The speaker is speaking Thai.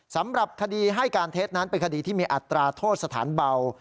สำหรับคดีให้การเท็จนั้นเป็นคดีที่มีอัตราโทษสถานเบา